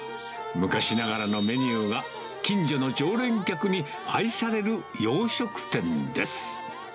昔ながらのメニューが、近所の常連客に愛される洋食店です。